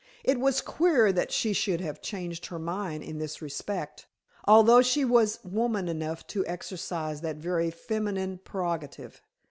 It was queer that she should have changed her mind in this respect, although she was woman enough to exercise that very feminine prerogative.